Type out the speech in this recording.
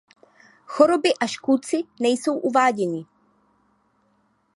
Choroby a škůdci nejsou uváděni.